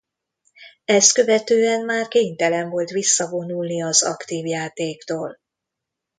Ezt követően már kénytelen volt visszavonulni az aktív játéktól.